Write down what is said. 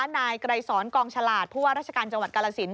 นายไกรสอนกองฉลาดผู้ว่าราชการจังหวัดกาลสิน